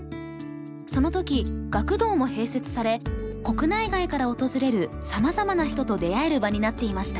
その時学童も併設され国内外から訪れるさまざまな人と出会える場になっていました。